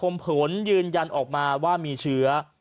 ต่อมาวันที่๙มกราคมผลยืนยันออกมาว่ามีเชื้อ